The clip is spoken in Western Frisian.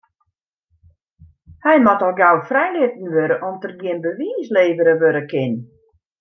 Hy moat al gau frijlitten wurde om't der gjin bewiis levere wurde kin.